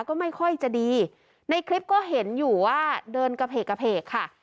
ก็ไม่ค่อยจะดีในคลิปก็เห็นอยู่ว่าเดินกระเพกกระเพกค่ะ